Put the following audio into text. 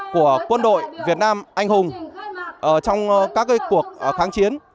của quân đội việt nam anh hùng trong các cuộc kháng chiến